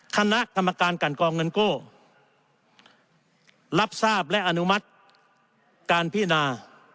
คณะกรรมการกันกองเงินกู้รับทราบและอนุมัติการพินา